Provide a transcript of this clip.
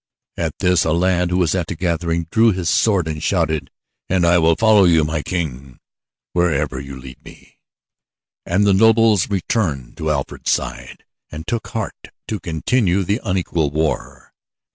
At this a lad who was at the gathering drew his sword and shouted: "And I will follow you, my King, wherever you lead me." And the nobles returned to Alfred's side, and took heart to continue the unequal war.